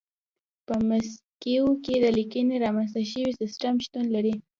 په مکسیکو کې د لیکنې رامنځته شوی سیستم شتون لري.